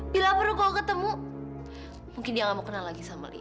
bila perlu kau ketemu mungkin dia gak mau kenal lagi sama li